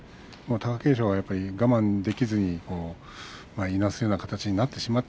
貴景勝は我慢できずにいなすような形になってしまいました。